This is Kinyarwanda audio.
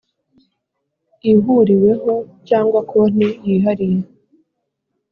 Ihuriweho cyangwa konti yihariye